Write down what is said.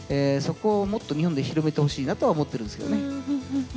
そこをもっと日本で広めてほしいなとは思ってるんですけどね。